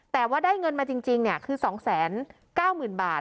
แต่ว่าได้เงินมาจริงจริงเนี่ยคือสองแสนเก้าหมื่นบาท